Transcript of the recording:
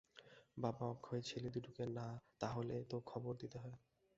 বাবা অক্ষয়, ছেলে দুটিকে তা হলে তো খবর দিতে হয়।